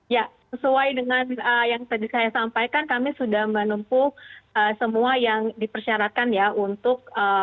ya sesuai dengan yang tadi saya sampaikan kami sudah menempuh semua yang dipersyaratkan ya untuk